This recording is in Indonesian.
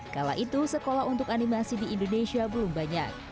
kala itu sekolah untuk animasi di indonesia belum banyak